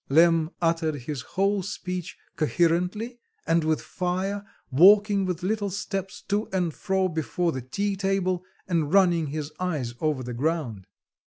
Lemm uttered this whole speech coherently, and with fire, walking with little steps to and fro before the tea table, and running his eyes over the ground.